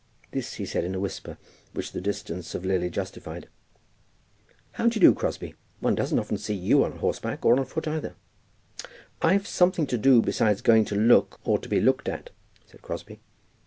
This he said in a whisper, which the distance of Lily justified. "How d'ye do, Crosbie? One doesn't often see you on horseback, or on foot either." "I've something to do besides going to look or to be looked at," said Crosbie.